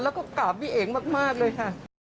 แล้วก็กราบพี่เอ๋มากเลยค่ะ